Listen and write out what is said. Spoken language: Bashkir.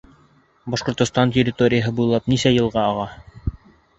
Башҡортостан территорияһы буйлап нисә йылға аға?